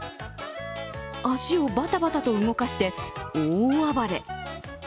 脚をバタバタと動かして大暴れ。